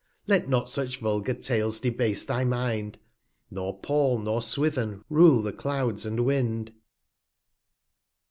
186 Let not such vulgar Tales debase thy Mind; Nor Taul nor Swithin rule the Clouds and Wind.